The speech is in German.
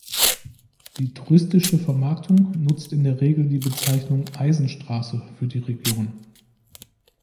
Die touristische Vermarktung nutzt in der Regel die Bezeichnung "Eisenstraße" für die Region.